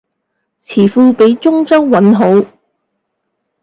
詞庫畀中州韻好